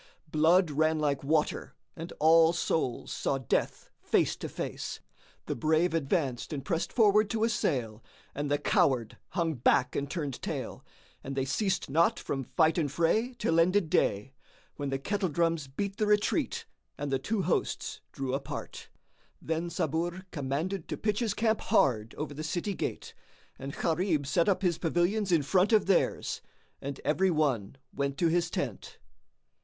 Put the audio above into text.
Blood ran like water and all souls saw death face to face; the brave advanced and pressed forward to assail and the coward hung back and turned tail and they ceased not from fight and fray till ended day, when the kettle drums beat the retreat and the two hosts drew apart. Then Sabur commanded to pitch his camp hard over the city gate, and Gharib set up his pavilions in front of theirs; and every one went to his tent.